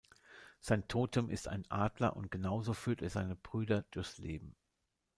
Sein Totem ist ein Adler und genauso führt er seine Brüder durchs Leben.